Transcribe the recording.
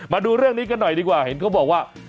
มาดูเรื่องนี้กันหน่อยดีกว่าเห็นเขาบอกว่า